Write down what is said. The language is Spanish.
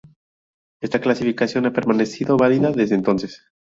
Esta clasificación ha permanecido válida desde entonces.